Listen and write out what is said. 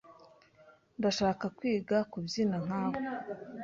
Ndashaka kwiga kubyina nkawe.